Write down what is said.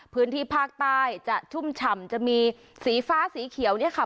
พื้นที่ภาคใต้จะชุ่มฉ่ำจะมีสีฟ้าสีเขียวเนี่ยค่ะ